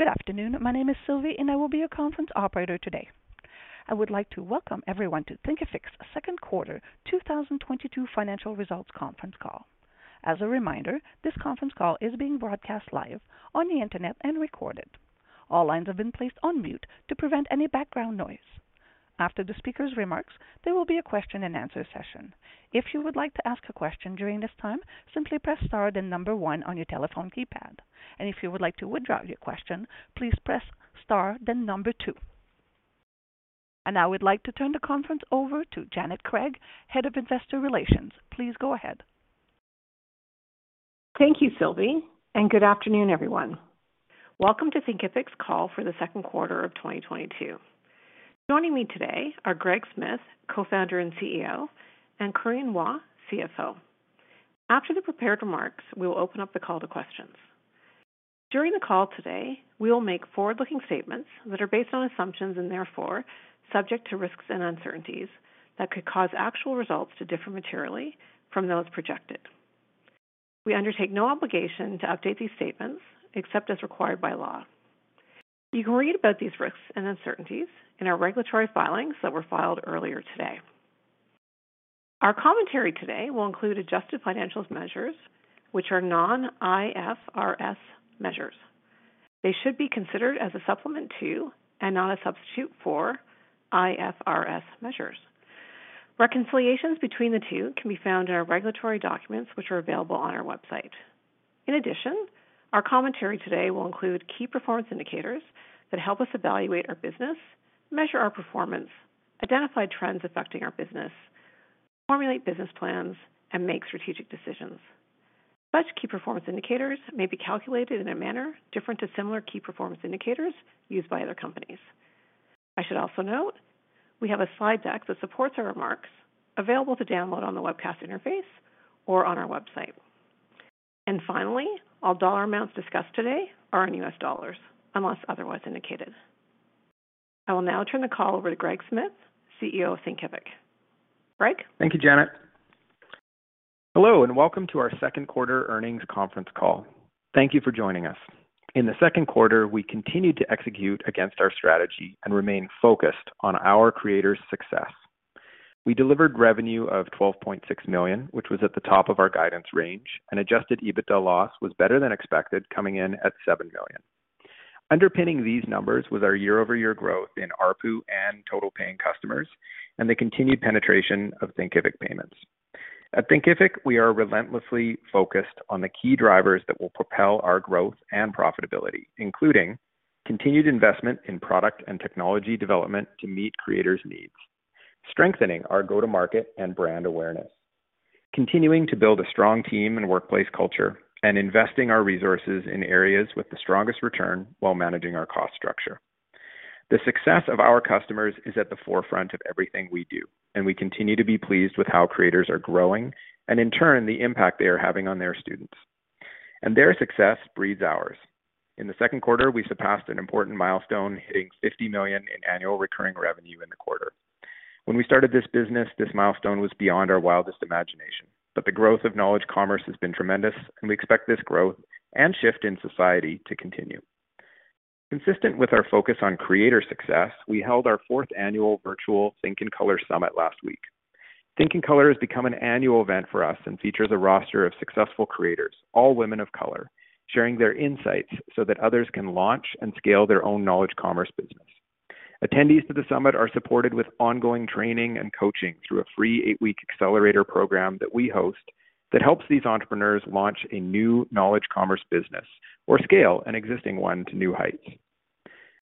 Good afternoon. My name is Sylvie, and I will be your conference operator today. I would like to welcome everyone to Thinkific's second quarter 2022 financial results conference call. As a reminder, this conference call is being broadcast live on the Internet and recorded. All lines have been placed on mute to prevent any background noise. After the speaker's remarks, there will be a question and answer session. If you would like to ask a question during this time, simply press star then number one on your telephone keypad. If you would like to withdraw your question, please press star then number two. Now I would like to turn the conference over to Janet Craig, Head of Investor Relations. Please go ahead. Thank you, Sylvie, and good afternoon, everyone. Welcome to Thinkific's call for the second quarter of 2022. Joining me today are Greg Smith, Co-founder and CEO, and Corinne Hua, CFO. After the prepared remarks, we will open up the call to questions. During the call today, we will make forward-looking statements that are based on assumptions and therefore subject to risks and uncertainties that could cause actual results to differ materially from those projected. We undertake no obligation to update these statements except as required by law. You can read about these risks and uncertainties in our regulatory filings that were filed earlier today. Our commentary today will include adjusted financial measures, which are non-IFRS measures. They should be considered as a supplement to, and not a substitute for, IFRS measures. Reconciliations between the two can be found in our regulatory documents, which are available on our website. In addition, our commentary today will include key performance indicators that help us evaluate our business, measure our performance, identify trends affecting our business, formulate business plans, and make strategic decisions. Such key performance indicators may be calculated in a manner different to similar key performance indicators used by other companies. I should also note we have a slide deck that supports our remarks available to download on the webcast interface or on our website. Finally, all dollar amounts discussed today are in US dollars unless otherwise indicated. I will now turn the call over to Greg Smith, CEO of Thinkific. Greg. Thank you, Janet. Hello, and welcome to our second quarter earnings conference call. Thank you for joining us. In the second quarter, we continued to execute against our strategy and remain focused on our creators' success. We delivered revenue of $12.6 million, which was at the top of our guidance range, and adjusted EBITDA loss was better than expected, coming in at $7 million. Underpinning these numbers was our year-over-year growth in ARPU and total paying customers and the continued penetration of Thinkific Payments. At Thinkific, we are relentlessly focused on the key drivers that will propel our growth and profitability, including continued investment in product and technology development to meet creators' needs, strengthening our go-to-market and brand awareness, continuing to build a strong team and workplace culture, and investing our resources in areas with the strongest return while managing our cost structure. The success of our customers is at the forefront of everything we do, and we continue to be pleased with how creators are growing and, in turn, the impact they are having on their students. Their success breeds ours. In the second quarter, we surpassed an important milestone, hitting $50 million in annual recurring revenue in the quarter. When we started this business, this milestone was beyond our wildest imagination, but the growth of knowledge commerce has been tremendous, and we expect this growth and shift in society to continue. Consistent with our focus on creator success, we held our fourth annual virtual Think in Color summit last week. Think in Color has become an annual event for us and features a roster of successful creators, all women of color, sharing their insights so that others can launch and scale their own knowledge commerce business. Attendees to the summit are supported with ongoing training and coaching through a free eight-week accelerator program that we host that helps these entrepreneurs launch a new knowledge commerce business or scale an existing one to new heights.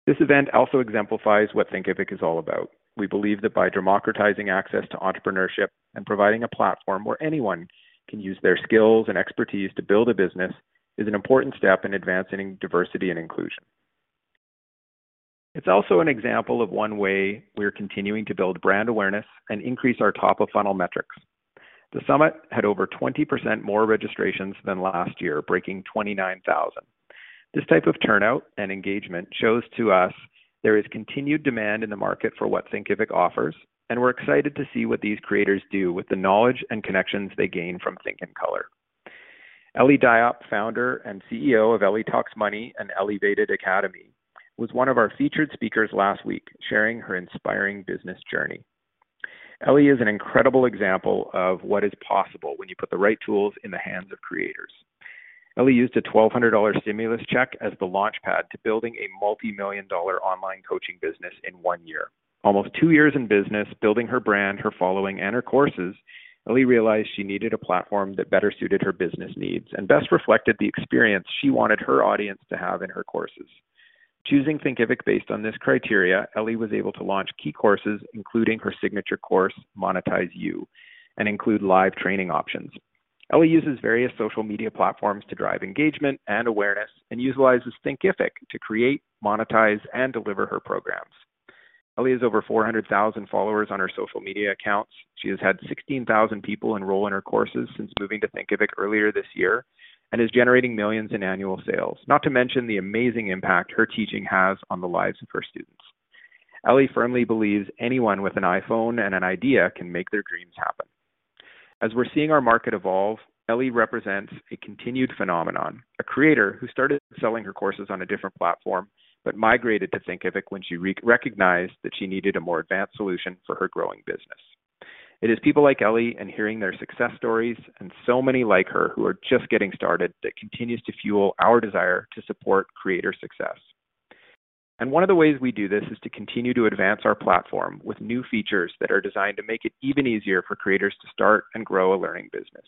This event also exemplifies what Thinkific is all about. We believe that by democratizing access to entrepreneurship and providing a platform where anyone can use their skills and expertise to build a business is an important step in advancing diversity and inclusion. It's also an example of one way we are continuing to build brand awareness and increase our top-of-funnel metrics. The summit had over 20% more registrations than last year, breaking 29,000. This type of turnout and engagement shows to us there is continued demand in the market for what Thinkific offers, and we're excited to see what these creators do with the knowledge and connections they gain from Think in Color. Ellie Diop, founder and CEO of Ellie Talks Money and Ellievated Academy, was one of our featured speakers last week, sharing her inspiring business journey. Ellie is an incredible example of what is possible when you put the right tools in the hands of creators. Ellie used a $1,200 stimulus check as the launch pad to building a multi-million dollar online coaching business in one year. Almost two years in business, building her brand, her following, and her courses, Ellie realized she needed a platform that better suited her business needs and best reflected the experience she wanted her audience to have in her courses. Choosing Thinkific based on this criteria, Ellie was able to launch key courses, including her signature course, Monetize You, and include live training options. Ellie uses various social media platforms to drive engagement and awareness and utilizes Thinkific to create, monetize, and deliver her programs. Ellie has over 400,000 followers on her social media accounts. She has had 16,000 people enroll in her courses since moving to Thinkific earlier this year and is generating millions in annual sales, not to mention the amazing impact her teaching has on the lives of her students. Ellie firmly believes anyone with an iPhone and an idea can make their dreams happen. As we're seeing our market evolve, Ellie represents a continued phenomenon. A creator who started selling her courses on a different platform, but migrated to Thinkific when she re-recognized that she needed a more advanced solution for her growing business. It is people like Ellie and hearing their success stories and so many like her who are just getting started that continues to fuel our desire to support creator success. One of the ways we do this is to continue to advance our platform with new features that are designed to make it even easier for creators to start and grow a learning business.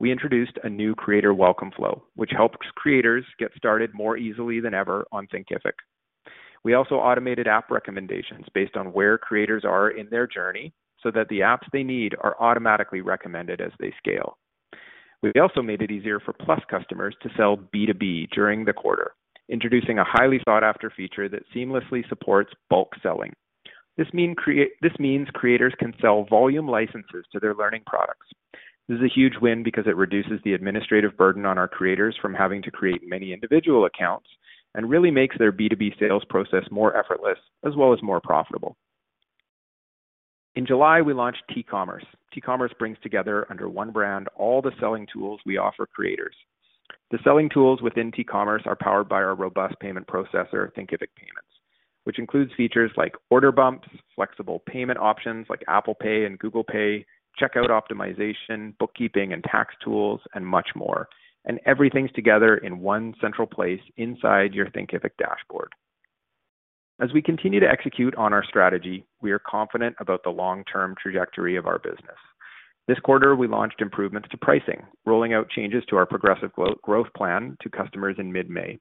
We introduced a new creator welcome flow, which helps creators get started more easily than ever on Thinkific. We also automated app recommendations based on where creators are in their journey so that the apps they need are automatically recommended as they scale. We've also made it easier for Plus customers to sell B2B during the quarter, introducing a highly sought after feature that seamlessly supports bulk selling. This means creators can sell volume licenses to their learning products. This is a huge win because it reduces the administrative burden on our creators from having to create many individual accounts and really makes their B2B sales process more effortless as well as more profitable. In July, we launched TCommerce. TCommerce brings together under one brand all the selling tools we offer creators. The selling tools within TCommerce are powered by our robust payment processor, Thinkific Payments, which includes features like order bumps, flexible payment options like Apple Pay and Google Pay, checkout optimization, bookkeeping and tax tools, and much more. Everything's together in one central place inside your Thinkific dashboard. As we continue to execute on our strategy, we are confident about the long-term trajectory of our business. This quarter, we launched improvements to pricing, rolling out changes to our progressive growth plan to customers in mid-May.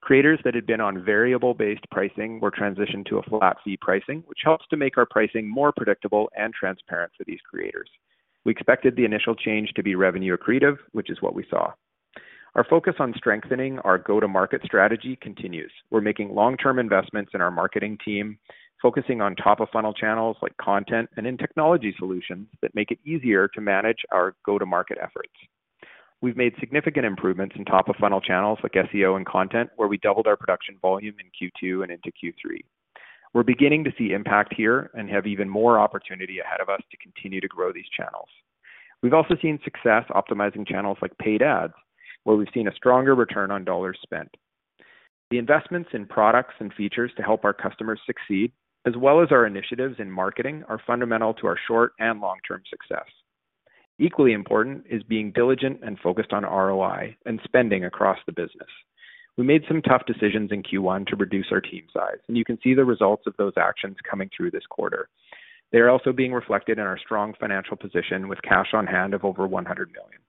Creators that had been on variable-based pricing were transitioned to a flat-fee pricing, which helps to make our pricing more predictable and transparent for these creators. We expected the initial change to be revenue accretive, which is what we saw. Our focus on strengthening our go-to-market strategy continues. We're making long-term investments in our marketing team, focusing on top-of-funnel channels like content and in technology solutions that make it easier to manage our go-to-market efforts. We've made significant improvements in top-of-funnel channels like SEO and content, where we doubled our production volume in Q2 and into Q3. We're beginning to see impact here and have even more opportunity ahead of us to continue to grow these channels. We've also seen success optimizing channels like paid ads, where we've seen a stronger return on dollars spent. The investments in products and features to help our customers succeed, as well as our initiatives in marketing, are fundamental to our short and long-term success. Equally important is being diligent and focused on ROI and spending across the business. We made some tough decisions in Q1 to reduce our team size, and you can see the results of those actions coming through this quarter. They are also being reflected in our strong financial position with cash on hand of over $100 million.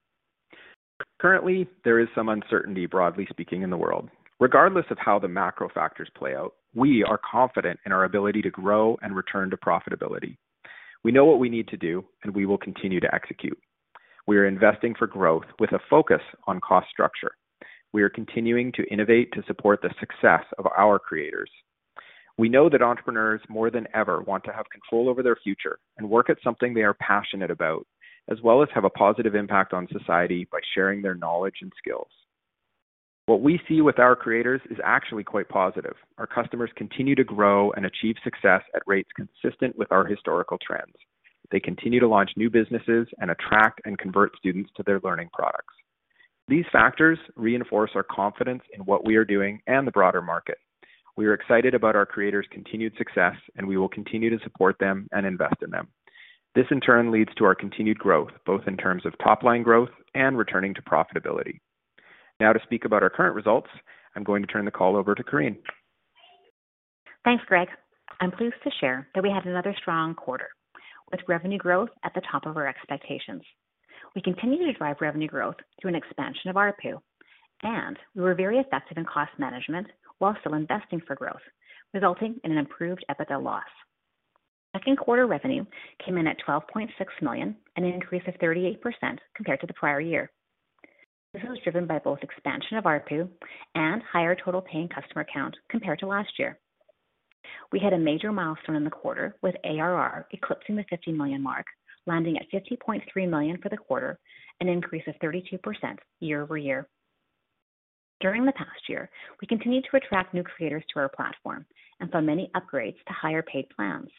Currently, there is some uncertainty, broadly speaking, in the world. Regardless of how the macro factors play out, we are confident in our ability to grow and return to profitability. We know what we need to do, and we will continue to execute. We are investing for growth with a focus on cost structure. We are continuing to innovate to support the success of our creators. We know that entrepreneurs, more than ever, want to have control over their future and work at something they are passionate about, as well as have a positive impact on society by sharing their knowledge and skills. What we see with our creators is actually quite positive. Our customers continue to grow and achieve success at rates consistent with our historical trends. They continue to launch new businesses and attract and convert students to their learning products. These factors reinforce our confidence in what we are doing and the broader market. We are excited about our creators' continued success, and we will continue to support them and invest in them. This, in turn, leads to our continued growth, both in terms of top-line growth and returning to profitability. Now to speak about our current results, I'm going to turn the call over to Corinne. Thanks, Greg. I'm pleased to share that we had another strong quarter with revenue growth at the top of our expectations. We continue to drive revenue growth through an expansion of ARPU, and we were very effective in cost management while still investing for growth, resulting in an improved EBITDA loss. Second quarter revenue came in at $12.6 million, an increase of 38% compared to the prior year. This was driven by both expansion of ARPU and higher total paying customer count compared to last year. We had a major milestone in the quarter with ARR eclipsing the $50 million mark, landing at $50.3 million for the quarter, an increase of 32% year-over-year. During the past year, we continued to attract new creators to our platform and saw many upgrades to higher paid plans.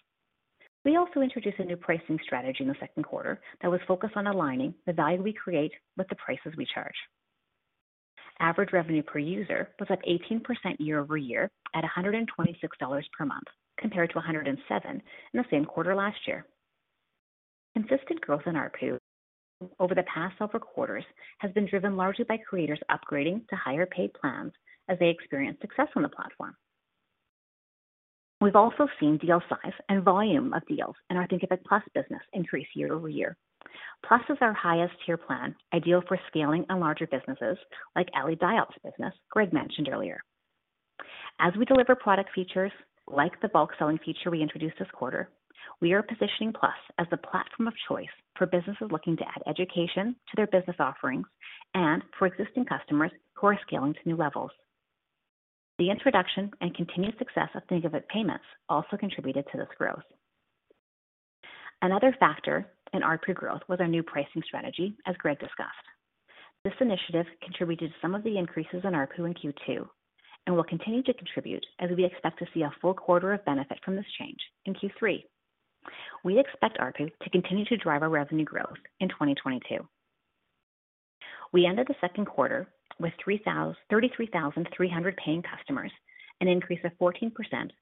We also introduced a new pricing strategy in the second quarter that was focused on aligning the value we create with the prices we charge. Average revenue per user was up 18% year-over-year at $126 per month, compared to $107 in the same quarter last year. Consistent growth in ARPU over the past several quarters has been driven largely by creators upgrading to higher paid plans as they experience success on the platform. We've also seen deal size and volume of deals in our Thinkific Plus business increase year-over-year. Plus is our highest tier plan, ideal for scaling and larger businesses like Ellie Diop's business Greg mentioned earlier. As we deliver product features, like the bulk selling feature we introduced this quarter, we are positioning Thinkific Plus as the platform of choice for businesses looking to add education to their business offerings and for existing customers who are scaling to new levels. The introduction and continued success of Thinkific Payments also contributed to this growth. Another factor in ARPU growth was our new pricing strategy, as Greg discussed. This initiative contributed to some of the increases in ARPU in Q2 and will continue to contribute as we expect to see a full quarter of benefit from this change in Q3. We expect ARPU to continue to drive our revenue growth in 2022. We ended the second quarter with 33,300 paying customers, an increase of 14%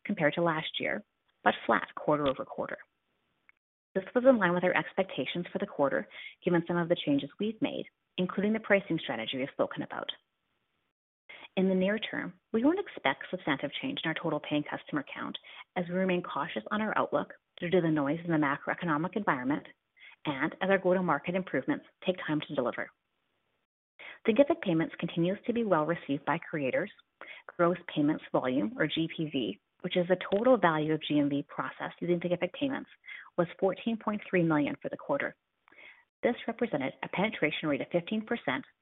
compared to last year, but flat quarter-over-quarter. This was in line with our expectations for the quarter, given some of the changes we've made, including the pricing strategy we've spoken about. In the near term, we don't expect substantive change in our total paying customer count as we remain cautious on our outlook due to the noise in the macroeconomic environment and as our go-to-market improvements take time to deliver. Thinkific Payments continues to be well received by creators. Gross payments volume, or GPV, which is the total value of GMV processed using Thinkific Payments, was $14.3 million for the quarter. This represented a penetration rate of 15%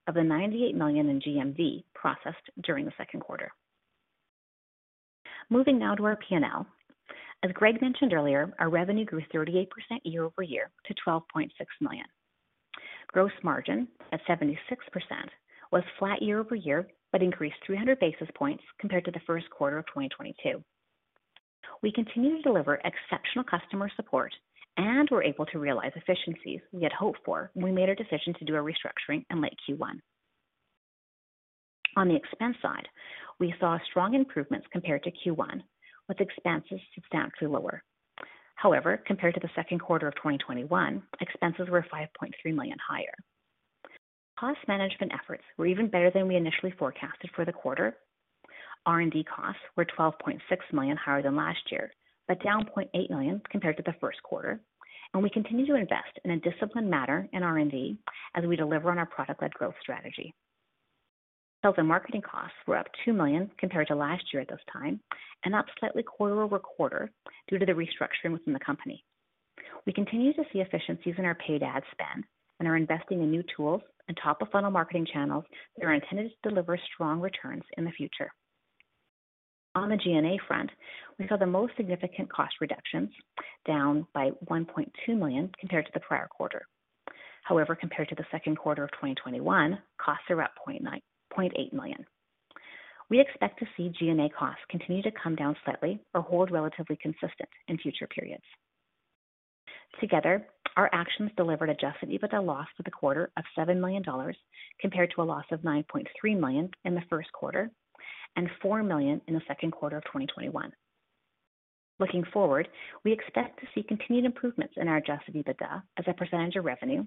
of the $98 million in GMV processed during the second quarter. Moving now to our P&L. As Greg mentioned earlier, our revenue grew 38% year-over-year to $12.6 million. Gross margin at 76% was flat year-over-year, but increased 300 basis points compared to the first quarter of 2022. We continue to deliver exceptional customer support, and we're able to realize efficiencies we had hoped for when we made our decision to do a restructuring in late Q1. On the expense side, we saw strong improvements compared to Q1, with expenses substantially lower. However, compared to the second quarter of 2021, expenses were $5.3 million higher. Cost management efforts were even better than we initially forecasted for the quarter. R&D costs were $12.6 million higher than last year, but down $0.8 million compared to the first quarter. We continue to invest in a disciplined manner in R&D as we deliver on our product-led growth strategy. Sales and marketing costs were up $2 million compared to last year at this time and up slightly quarter-over-quarter due to the restructuring within the company. We continue to see efficiencies in our paid ad spend and are investing in new tools and top-of-funnel marketing channels that are intended to deliver strong returns in the future. On the G&A front, we saw the most significant cost reductions, down by $1.2 million compared to the prior quarter. However, compared to the second quarter of 2021, costs are up $0.8 million. We expect to see G&A costs continue to come down slightly or hold relatively consistent in future periods. Together, our actions delivered adjusted EBITDA loss for the quarter of $7 million compared to a loss of $9.3 million in the first quarter and $4 million in the second quarter of 2021. Looking forward, we expect to see continued improvements in our adjusted EBITDA as a percentage of revenue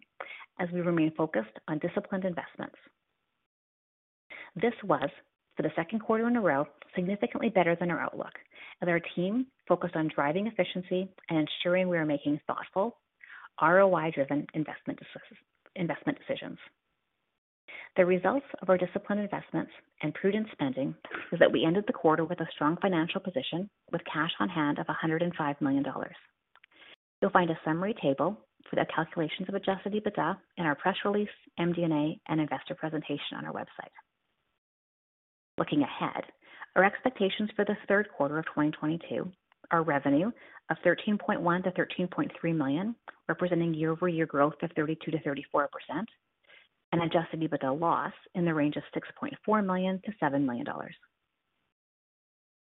as we remain focused on disciplined investments. This was, for the second quarter in a row, significantly better than our outlook as our team focused on driving efficiency and ensuring we are making thoughtful ROI-driven investment decisions. The results of our disciplined investments and prudent spending is that we ended the quarter with a strong financial position with cash on hand of $105 million. You'll find a summary table for the calculations of adjusted EBITDA in our press release, MD&A, and investor presentation on our website. Looking ahead, our expectations for this third quarter of 2022 are revenue of $13.1 million-$13.3 million, representing year-over-year growth of 32%-34% and adjusted EBITDA loss in the range of $6.4 million-$7 million.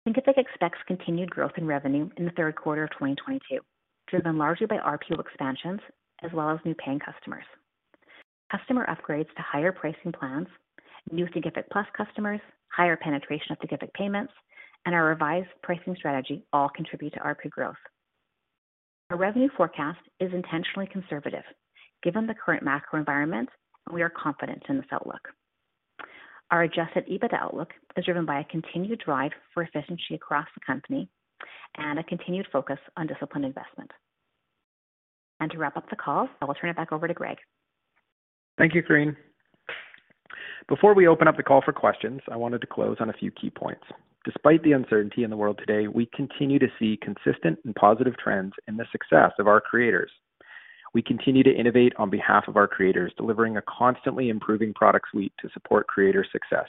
Thinkific expects continued growth in revenue in the third quarter of 2022, driven largely by ARPU expansions as well as new paying customers. Customer upgrades to higher pricing plans, new Thinkific Plus customers, higher penetration of Thinkific Payments, and our revised pricing strategy all contribute to ARPU growth. Our revenue forecast is intentionally conservative. Given the current macro environment, we are confident in this outlook. Our adjusted EBITDA outlook is driven by a continued drive for efficiency across the company and a continued focus on disciplined investment. To wrap up the call, I will turn it back over to Greg. Thank you, Corinne. Before we open up the call for questions, I wanted to close on a few key points. Despite the uncertainty in the world today, we continue to see consistent and positive trends in the success of our creators. We continue to innovate on behalf of our creators, delivering a constantly improving product suite to support creator success,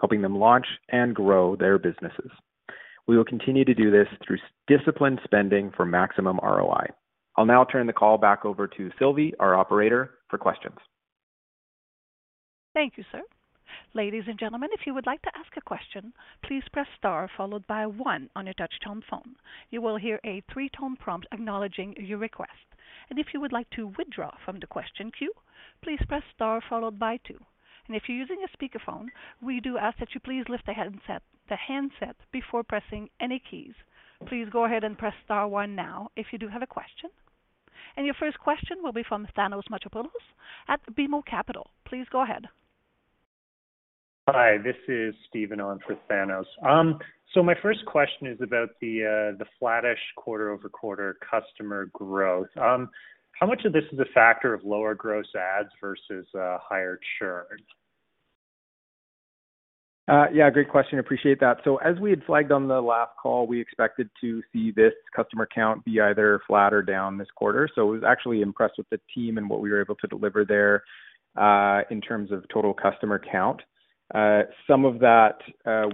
helping them launch and grow their businesses. We will continue to do this through disciplined spending for maximum ROI. I'll now turn the call back over to Sylvie, our operator, for questions. Thank you, sir. Ladies and gentlemen, if you would like to ask a question, please press star followed by one on your touch-tone phone. You will hear a three-tone prompt acknowledging your request. If you would like to withdraw from the question queue, please press star followed by two. If you're using a speakerphone, we do ask that you please lift the handset before pressing any keys. Please go ahead and press star one now if you do have a question. Your first question will be from Thanos Moschopoulos at BMO Capital. Please go ahead. Hi, this is Stephen on for Thanos Moschopoulos. My first question is about the flattish quarter-over-quarter customer growth. How much of this is a factor of lower gross adds versus higher churn? Yeah, great question. Appreciate that. As we had flagged on the last call, we expected to see this customer count be either flat or down this quarter. It was actually impressive with the team and what we were able to deliver there, in terms of total customer count. Some of that,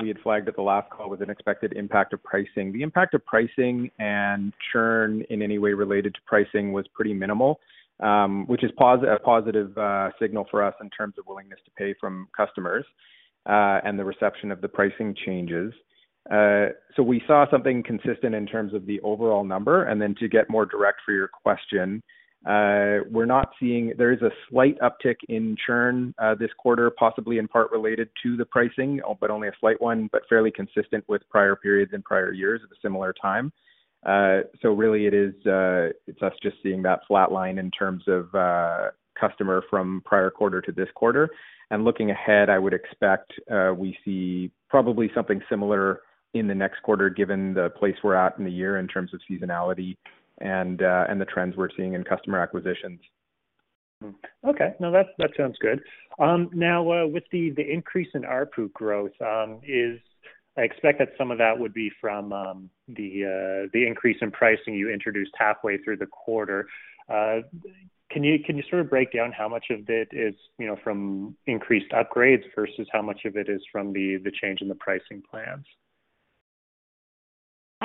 we had flagged at the last call was an expected impact of pricing. The impact of pricing and churn in any way related to pricing was pretty minimal, which is positive, signal for us in terms of willingness to pay from customers, and the reception of the pricing changes. We saw something consistent in terms of the overall number. To get more direct for your question, we're not seeing... There is a slight uptick in churn this quarter, possibly in part related to the pricing, but only a slight one, but fairly consistent with prior periods in prior years at a similar time. So really it is, it's us just seeing that flat line in terms of customer from prior quarter to this quarter. Looking ahead, I would expect we see probably something similar in the next quarter given the place we're at in the year in terms of seasonality and the trends we're seeing in customer acquisitions. Okay. No, that sounds good. Now, with the increase in ARPU growth, I expect that some of that would be from the increase in pricing you introduced halfway through the quarter. Can you sort of break down how much of it is, you know, from increased upgrades versus how much of it is from the change in the pricing plans?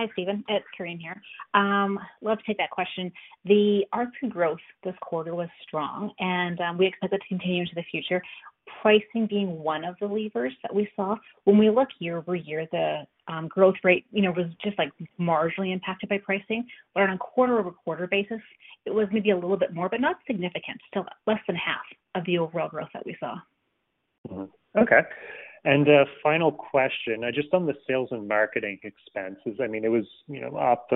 Hi, Stephen. It's Corinne here. Love to take that question. The ARPU growth this quarter was strong, and we expect it to continue into the future. Pricing being one of the levers that we saw. When we look year-over-year, the growth rate, you know, was just like marginally impacted by pricing. On a quarter-over-quarter basis, it was maybe a little bit more, but not significant. Still less than half of the overall growth that we saw. Okay. A final question. Just on the sales and marketing expenses, I mean, it was, you know, up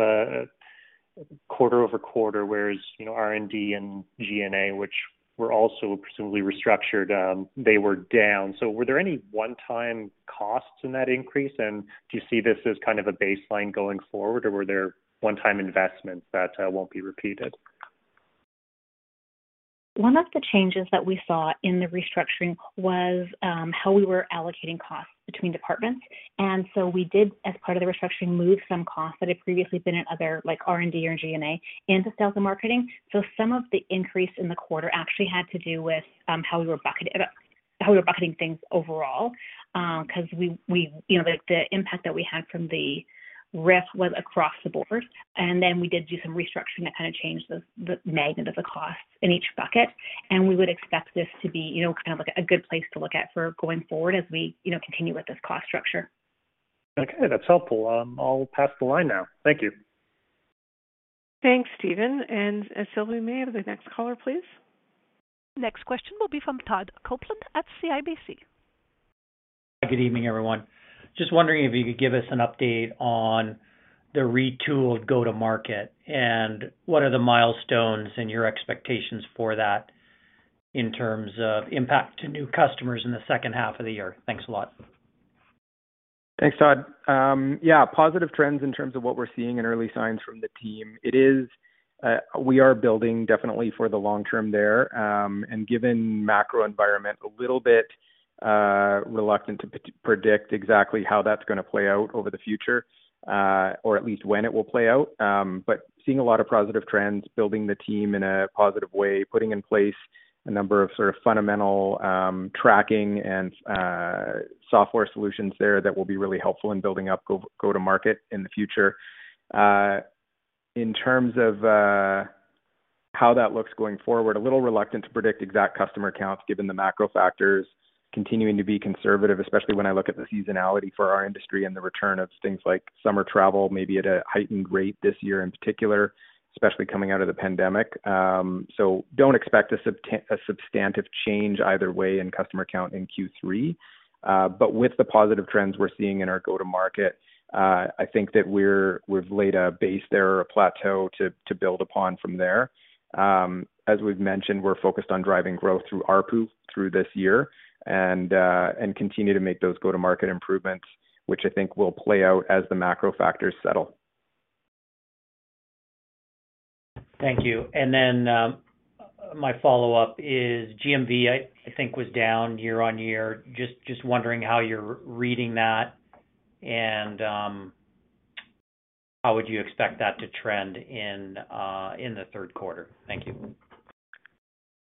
quarter-over-quarter, whereas, you know, R&D and G&A, which were also presumably restructured, they were down. Were there any one-time costs in that increase? And do you see this as kind of a baseline going forward or were there one-time investments that won't be repeated? One of the changes that we saw in the restructuring was how we were allocating costs between departments. We did, as part of the restructuring, move some costs that had previously been in other like R&D or G&A into sales and marketing. Some of the increase in the quarter actually had to do with how we were bucketing things overall. 'Cause you know, the impact that we had from the RIF was across the board. We did do some restructuring that kind of changed the magnitude of the costs in each bucket. We would expect this to be, you know, kind of like a good place to look at for going forward as we, you know, continue with this cost structure. Okay, that's helpful. I'll pass the line now. Thank you. Thanks, Stephen. Sylvie, may I have the next caller, please? Next question will be from Todd Coupland at CIBC. Good evening, everyone. Just wondering if you could give us an update on the retooled go-to-market, and what are the milestones and your expectations for that in terms of impact to new customers in the second half of the year? Thanks a lot. Thanks, Todd. Yeah, positive trends in terms of what we're seeing and early signs from the team. It is, we are building definitely for the long term there. Given macro environment, a little bit, reluctant to predict exactly how that's gonna play out over the future, or at least when it will play out. Seeing a lot of positive trends, building the team in a positive way, putting in place a number of sort of fundamental, tracking and, software solutions there that will be really helpful in building up go-to-market in the future. In terms of how that looks going forward, a little reluctant to predict exact customer counts given the macro factors continuing to be conservative, especially when I look at the seasonality for our industry and the return of things like summer travel, maybe at a heightened rate this year in particular, especially coming out of the pandemic. Don't expect a substantive change either way in customer count in Q3. With the positive trends we're seeing in our go-to-market, I think that we've laid a base there or a plateau to build upon from there. As we've mentioned, we're focused on driving growth through ARPU through this year and continue to make those go-to-market improvements, which I think will play out as the macro factors settle. Thank you. Then, my follow-up is GMV, I think, was down year-on-year. Just wondering how you're reading that and, how would you expect that to trend in the third quarter? Thank you.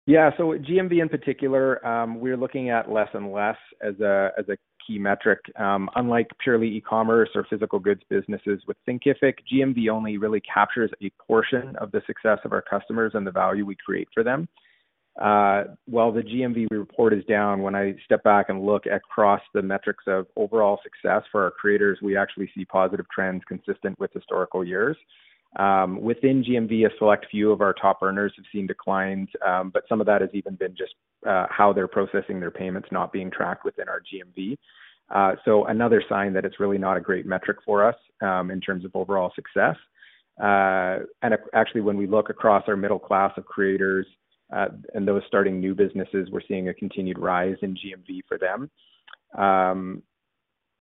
Yeah. GMV in particular, we're looking at less and less as a key metric. Unlike purely e-commerce or physical goods businesses with Thinkific, GMV only really captures a portion of the success of our customers and the value we create for them. While the GMV we report is down, when I step back and look across the metrics of overall success for our creators, we actually see positive trends consistent with historical years. Within GMV, a select few of our top earners have seen declines, but some of that has even been just how they're processing their payments not being tracked within our GMV. Another sign that it's really not a great metric for us in terms of overall success. Actually, when we look across our middle class of creators, and those starting new businesses, we're seeing a continued rise in GMV for them.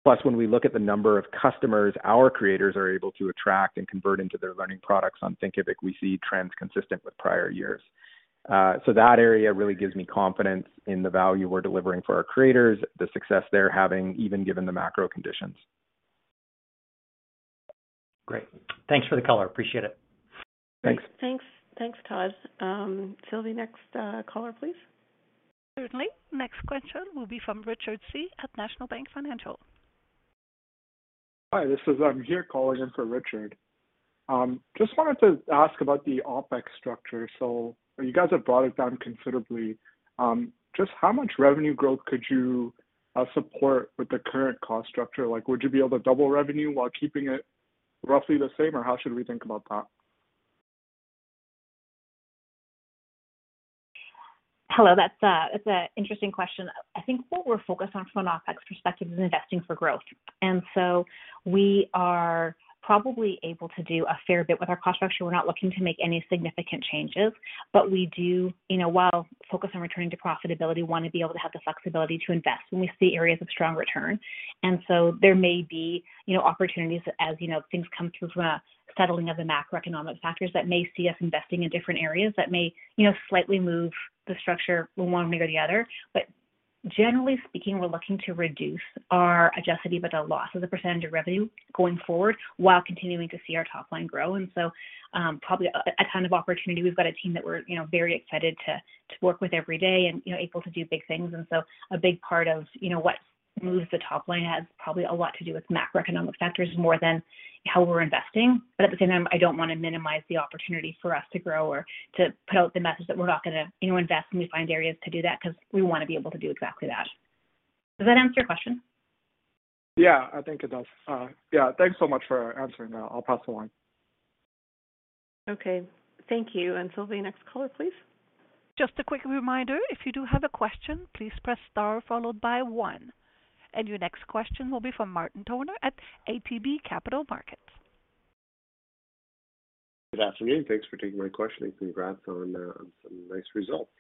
Plus, when we look at the number of customers our creators are able to attract and convert into their learning products on Thinkific, we see trends consistent with prior years. That area really gives me confidence in the value we're delivering for our creators, the success they're having, even given the macro conditions. Great. Thanks for the color. Appreciate it. Thanks. Thanks. Thanks, Todd. Sylvie, next caller, please. Certainly. Next question will be from Richard Tse at National Bank Financial. Hi, this is Amir calling in for Richard. Just wanted to ask about the OpEx structure. You guys have brought it down considerably. Just how much revenue growth could you support with the current cost structure? Like, would you be able to double revenue while keeping it roughly the same, or how should we think about that? Hello. That's an interesting question. I think what we're focused on from an OpEx perspective is investing for growth. We are probably able to do a fair bit with our cost structure. We're not looking to make any significant changes. We do, you know, while focused on returning to profitability, want to be able to have the flexibility to invest when we see areas of strong return. There may be, you know, opportunities as, you know, things come through from a settling of the macroeconomic factors that may see us investing in different areas that may, you know, slightly move the structure one way or the other. Generally speaking, we're looking to reduce our adjusted loss as a percentage of revenue going forward while continuing to see our top line grow. Probably a ton of opportunity. We've got a team that we're, you know, very excited to work with every day and, you know, able to do big things. A big part of, you know, what moves the top line has probably a lot to do with macroeconomic factors more than how we're investing. At the same time, I don't want to minimize the opportunity for us to grow or to put out the message that we're not gonna, you know, invest when we find areas to do that because we want to be able to do exactly that. Does that answer your question? Yeah, I think it does. Yeah, thanks so much for answering that. I'll pass the line. Okay. Thank you. Sylvie, next caller, please. Just a quick reminder, if you do have a question, please press star followed by one. Your next question will be from Martin Toner at ATB Capital Markets. Good afternoon. Thanks for taking my question. Congrats on some nice results.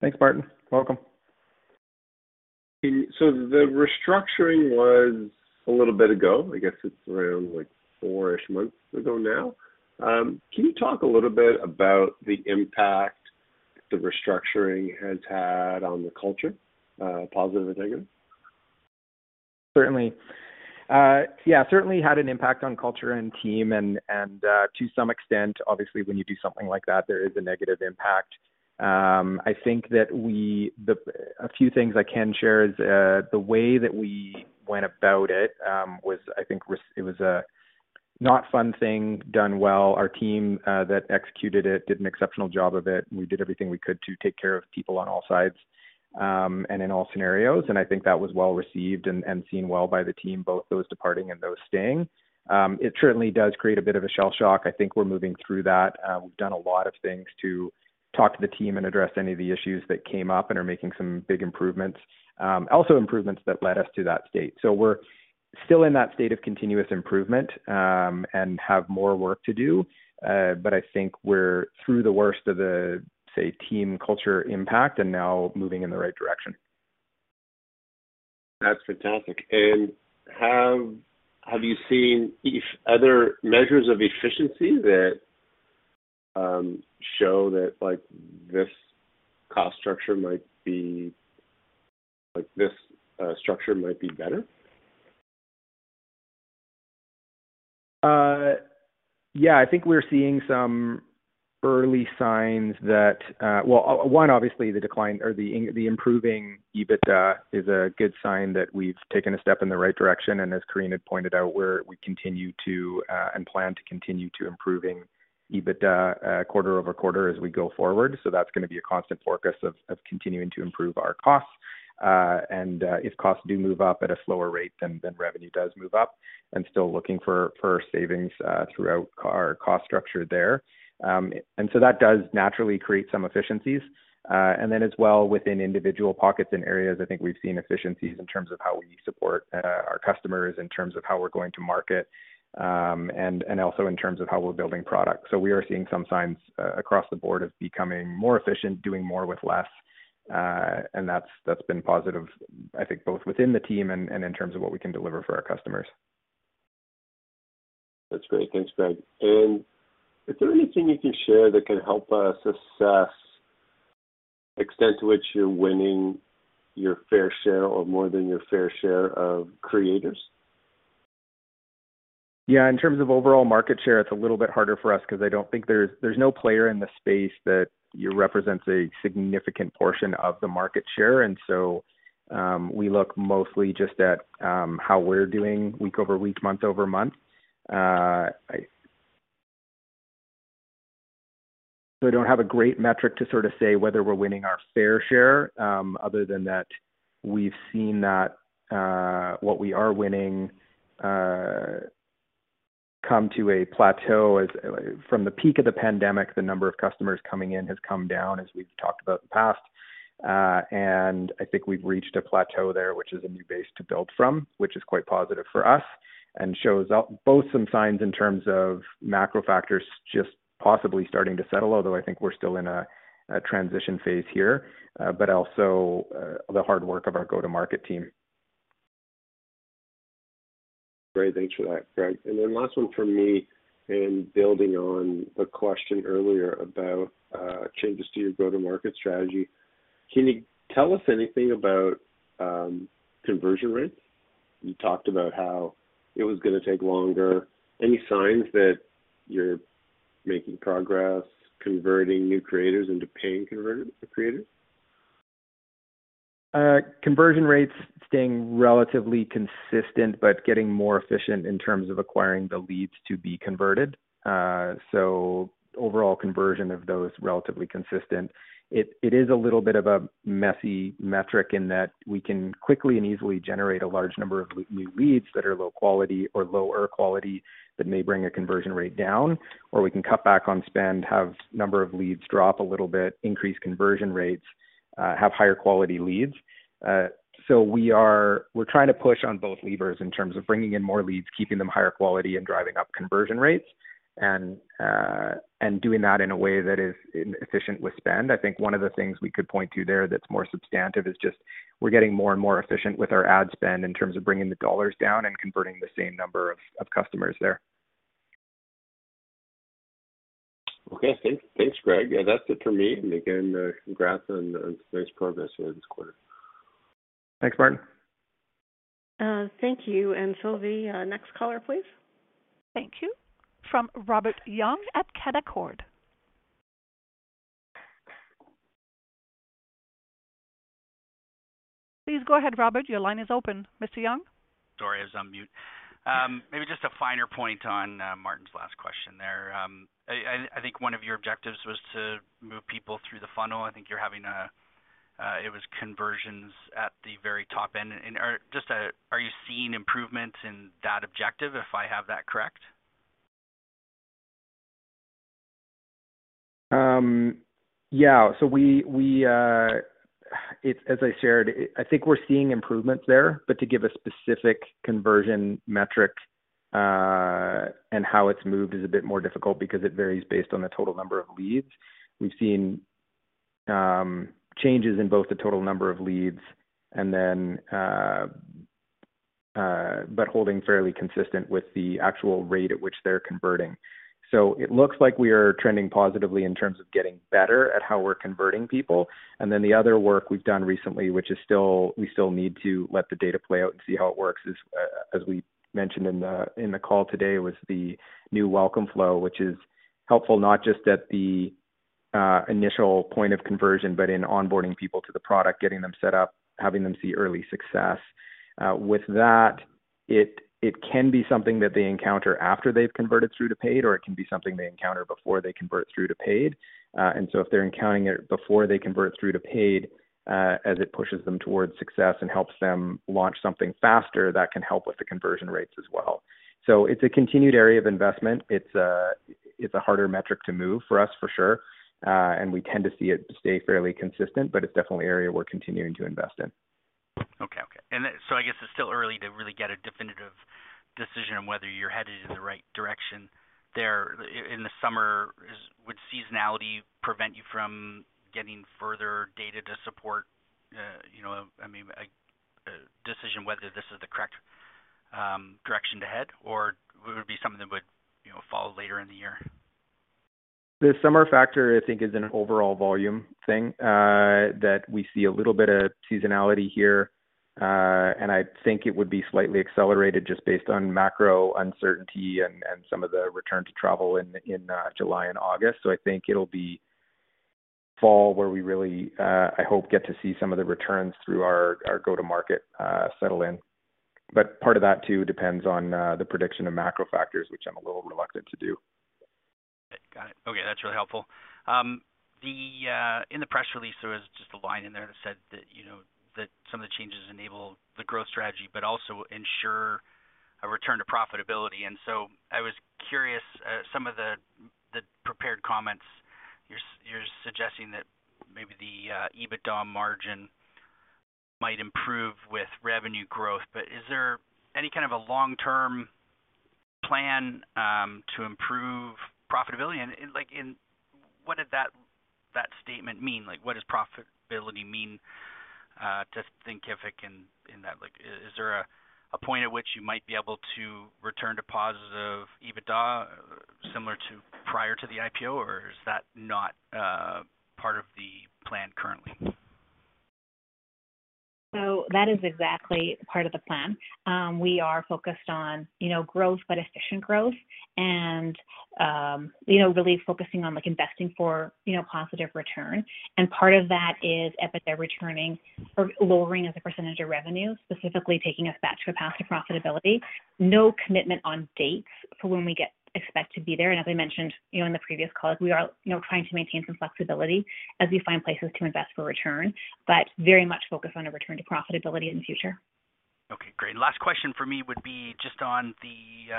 Thanks, Martin. Welcome. The restructuring was a little bit ago, I guess it's around like four-ish months ago now. Can you talk a little bit about the impact the restructuring has had on the culture, positive or negative? Certainly. Certainly had an impact on culture and team and, to some extent, obviously when you do something like that, there is a negative impact. I think that a few things I can share is the way that we went about it was I think it was a not fun thing done well. Our team that executed it did an exceptional job of it. We did everything we could to take care of people on all sides and in all scenarios, and I think that was well received and seen well by the team, both those departing and those staying. It certainly does create a bit of a shell shock. I think we're moving through that. We've done a lot of things to talk to the team and address any of the issues that came up and are making some big improvements. Also improvements that led us to that state. We're still in that state of continuous improvement, and have more work to do. I think we're through the worst of the, say, team culture impact and now moving in the right direction. That's fantastic. Have you seen other measures of efficiency that show that like this cost structure might be, like, this structure might be better? Yeah, I think we're seeing some early signs that, well, one, obviously the decline or the improving EBITDA is a good sign that we've taken a step in the right direction. As Corinne had pointed out, we continue to and plan to continue to improving EBITDA quarter-over-quarter as we go forward. That's gonna be a constant focus of continuing to improve our costs. If costs do move up at a slower rate than revenue does move up. Still looking for savings throughout our cost structure there. That does naturally create some efficiencies. As well within individual pockets and areas, I think we've seen efficiencies in terms of how we support our customers, in terms of how we're going to market, and also in terms of how we're building product. We are seeing some signs across the board of becoming more efficient, doing more with less. That's been positive, I think both within the team and in terms of what we can deliver for our customers. That's great. Thanks, Greg. Is there anything you can share that can help us assess extent to which you're winning your fair share or more than your fair share of creators? Yeah, in terms of overall market share, it's a little bit harder for us 'cause I don't think there's no player in the space that represents a significant portion of the market share. We look mostly just at how we're doing week-over-week, month-over-month. I don't have a great metric to sort of say whether we're winning our fair share, other than that we've seen that what we are winning come to a plateau. From the peak of the pandemic, the number of customers coming in has come down, as we've talked about in the past. I think we've reached a plateau there, which is a new base to build from, which is quite positive for us and shows up both some signs in terms of macro factors just possibly starting to settle, although I think we're still in a transition phase here, but also, the hard work of our go-to-market team. Great. Thanks for that, Greg. Last one from me, building on the question earlier about changes to your go-to-market strategy. Can you tell us anything about conversion rates? You talked about how it was gonna take longer. Any signs that you're making progress converting new creators into paying creators? Conversion rates staying relatively consistent, but getting more efficient in terms of acquiring the leads to be converted. Overall conversion of those, relatively consistent. It is a little bit of a messy metric in that we can quickly and easily generate a large number of new leads that are low quality or lower quality that may bring a conversion rate down, or we can cut back on spend, have number of leads drop a little bit, increase conversion rates, have higher quality leads. We are trying to push on both levers in terms of bringing in more leads, keeping them higher quality, and driving up conversion rates, and doing that in a way that is efficient with spend. I think one of the things we could point to there that's more substantive is just we're getting more and more efficient with our ad spend in terms of bringing the dollars down and converting the same number of customers there. Okay. Thanks, Greg. Yeah, that's it for me. Again, congrats on today's progress here this quarter. Thanks, Martin. Thank you. Sylvie, next caller, please. Thank you. From Robert Young at Canaccord Genuity. Please go ahead, Robert. Your line is open. Mr. Young? Sorry, I was on mute. Maybe just a finer point on Martin's last question there. I think one of your objectives was to move people through the funnel. I think it was conversions at the very top end. Are you seeing improvements in that objective, if I have that correct? Yeah. It's as I shared, I think we're seeing improvements there, but to give a specific conversion metric and how it's moved is a bit more difficult because it varies based on the total number of leads. We've seen changes in both the total number of leads and then but holding fairly consistent with the actual rate at which they're converting. It looks like we are trending positively in terms of getting better at how we're converting people. The other work we've done recently, which is still, we still need to let the data play out and see how it works is, as we mentioned in the call today, was the new welcome flow, which is helpful not just at the initial point of conversion, but in onboarding people to the product, getting them set up, having them see early success. With that, it can be something that they encounter after they've converted through to paid, or it can be something they encounter before they convert through to paid. If they're encountering it before they convert through to paid, as it pushes them towards success and helps them launch something faster, that can help with the conversion rates as well. It's a continued area of investment. It's a harder metric to move for us for sure, and we tend to see it stay fairly consistent, but it's definitely an area we're continuing to invest in. Okay. I guess it's still early to really get a definitive decision on whether you're headed in the right direction there in the summer. Would seasonality prevent you from getting further data to support, you know, I mean, a decision whether this is the correct direction to head, or would it be something that would, you know, follow later in the year? The summer factor, I think, is an overall volume thing that we see a little bit of seasonality here. I think it would be slightly accelerated just based on macro uncertainty and some of the return to travel in July and August. I think it'll be fall where we really, I hope, get to see some of the returns through our go-to-market settle in. Part of that too depends on the prediction of macro factors, which I'm a little reluctant to do. Got it. Okay. That's really helpful. In the press release, there was just a line in there that said that, you know, that some of the changes enable the growth strategy but also ensure a return to profitability. I was curious, some of the prepared comments, you're suggesting that maybe the EBITDA margin might improve with revenue growth. Is there any kind of a long-term plan to improve profitability? What did that statement mean? Like, what does profitability mean to Thinkific in that? Like, is there a point at which you might be able to return to positive EBITDA similar to prior to the IPO, or is that not part of the plan currently? That is exactly part of the plan. We are focused on, you know, growth but efficient growth and, you know, really focusing on, like, investing for, you know, positive return. Part of that is EBITDA returning or lowering as a percentage of revenue, specifically taking us back to a path to profitability. No commitment on dates for when we expect to be there. As I mentioned, you know, in the previous calls, we are, you know, trying to maintain some flexibility as we find places to invest for return, but very much focused on a return to profitability in the future. Okay, great. Last question for me would be just on the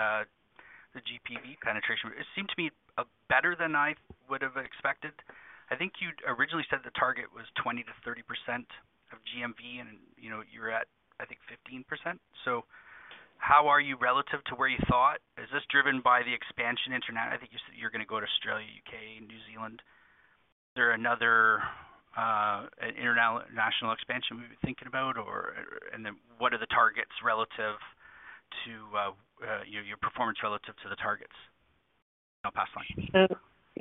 GPV penetration. It seemed to me a better than I would have expected. I think you'd originally said the target was 20%-30% of GMV and, you know, you're at, I think, 15%. How are you relative to where you thought? Is this driven by the international expansion? I think you said you're gonna go to Australia, U.K., New Zealand. Is there another international expansion we've been thinking about? What are the targets relative to your performance relative to the targets?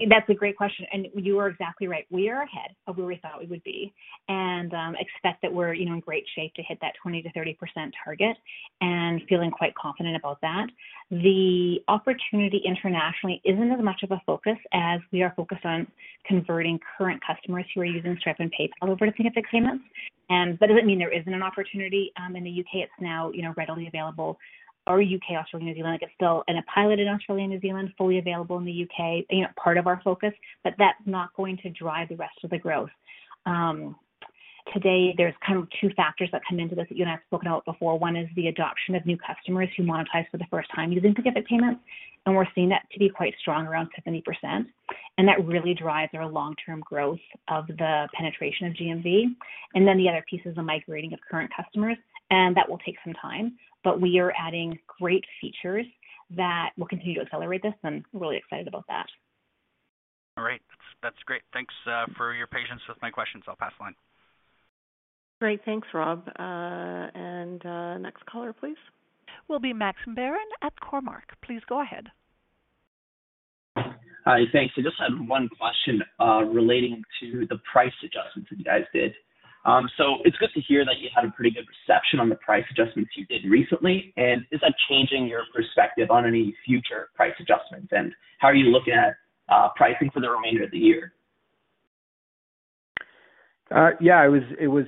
That's a great question, and you are exactly right. We are ahead of where we thought we would be and expect that we're, you know, in great shape to hit that 20%-30% target and feeling quite confident about that. The opportunity internationally isn't as much of a focus as we are focused on converting current customers who are using Stripe and PayPal over to Thinkific Payments. That doesn't mean there isn't an opportunity. In the UK it's now, you know, readily available in the U.K., Australia, New Zealand. It's still in a pilot in Australia and New Zealand, fully available in the UK, you know, part of our focus, but that's not going to drive the rest of the growth. Today there's kind of two factors that come into this that you and I have spoken about before. One is the adoption of new customers who monetize for the first time using Thinkific Payments, and we're seeing that to be quite strong, around 70%. That really drives our long-term growth of the penetration of GMV. The other piece is the migrating of current customers, and that will take some time, but we are adding great features that will continue to accelerate this, and really excited about that. All right. That's great. Thanks for your patience with my questions. I'll pass the line. Great. Thanks, Rob. Next caller, please. Will be Gavin Fairweather at Cormark. Please go ahead. Hi, thanks. I just had one question relating to the price adjustments that you guys did. So, it's good to hear that you had a pretty good reception on the price adjustments you did recently. Is that changing your perspective on any future price adjustments? How are you looking at pricing for the remainder of the year? Yeah, it was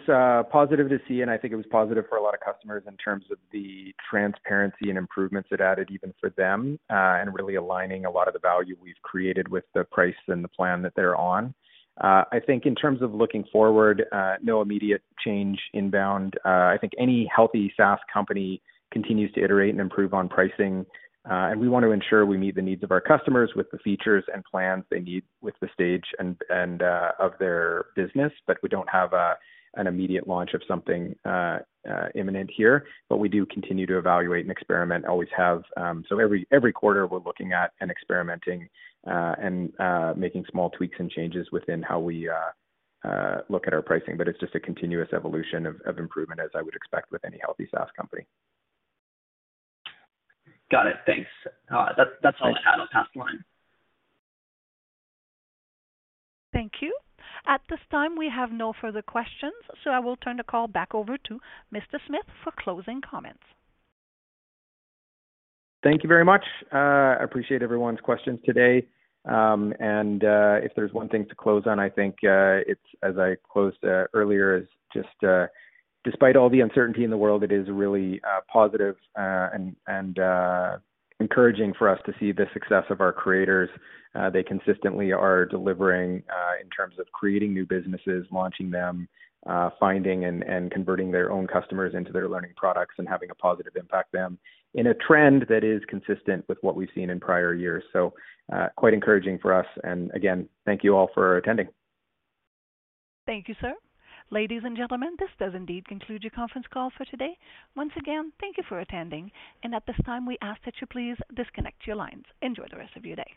positive to see, and I think it was positive for a lot of customers in terms of the transparency and improvements it added even for them, and really aligning a lot of the value we've created with the price and the plan that they're on. I think in terms of looking forward, no immediate change inbound. I think any healthy SaaS company continues to iterate and improve on pricing, and we want to ensure we meet the needs of our customers with the features and plans they need with the stage and of their business. We don't have an immediate launch of something imminent here. We do continue to evaluate and experiment, always have. Every quarter we're looking at and experimenting and making small tweaks and changes within how we look at our pricing. It's just a continuous evolution of improvement as I would expect with any healthy SaaS company. Got it. Thanks. That's all I had. I'll pass the line. Thank you. At this time, we have no further questions, so I will turn the call back over to Mr. Smith for closing comments. Thank you very much. I appreciate everyone's questions today. If there's one thing to close on, I think it's as I closed earlier, is just despite all the uncertainty in the world, it is really positive and encouraging for us to see the success of our creators. They consistently are delivering in terms of creating new businesses, launching them, finding and converting their own customers into their learning products and having a positive impact them in a trend that is consistent with what we've seen in prior years. Quite encouraging for us. Again, thank you all for attending. Thank you, sir. Ladies and gentlemen, this does indeed conclude your conference call for today. Once again, thank you for attending. At this time, we ask that you please disconnect your lines. Enjoy the rest of your day.